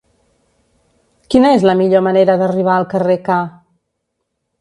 Quina és la millor manera d'arribar al carrer K?